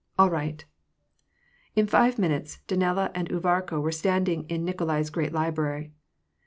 *' All right!" In five minutes, Danilo and XTvarka were standing in Niko lai's great library.